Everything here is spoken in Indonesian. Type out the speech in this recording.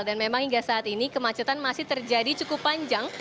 dan memang hingga saat ini kemacetan masih terjadi cukup panjang